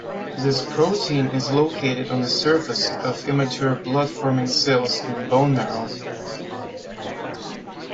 This protein is located on the surface of immature blood-forming cells in bone marrow.